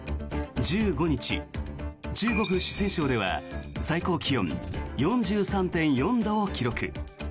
１５日、中国・四川省では最高気温４３．４度を記録。